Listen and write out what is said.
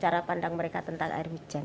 cara pandang mereka tentang air hujan